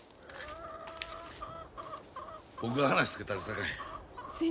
僕が話つけたるさかい。